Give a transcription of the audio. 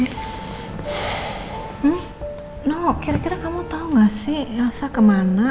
hmm no kira kira kamu tau gak sih elsa kemana